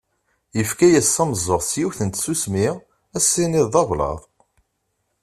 Yefka-as tameẓẓuɣt s yiwet n tsusmi ad as-tiniḍ d ablaḍ.